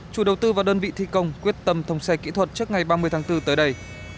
chủ đầu tư và đơn vị thi công quyết tâm thông xe kỹ thuật trước ngày ba mươi tháng bốn tới đây